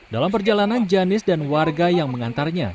dalam perjalanan janis dan warga yang mengantarnya